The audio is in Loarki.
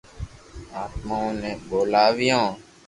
آتمائون ني ٻولاويو